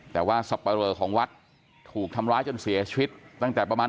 แต่ว่าสับปะเรอของวัดถูกทำร้ายจนเสียชีวิตตั้งแต่ประมาณ